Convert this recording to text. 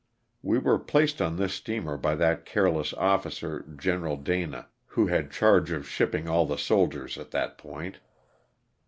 We were placed on this steamer by that careless officer. Gen Dana, who had charge of shipping all the soldiers at that point.